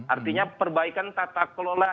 artinya perbaikan tata kelola